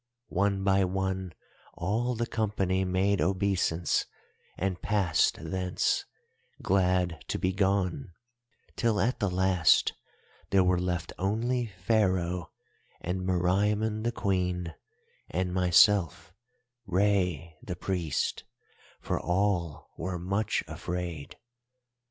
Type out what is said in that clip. One by one all the company made obeisance and passed thence, glad to be gone, till at the last there were left only Pharaoh and Meriamun the Queen, and myself—Rei the Priest—for all were much afraid.